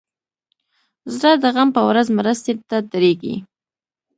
زړه د غم په ورځ مرستې ته دریږي.